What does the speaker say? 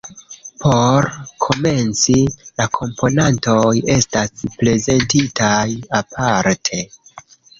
Por komenci, la komponantoj estas prezentitaj aparte.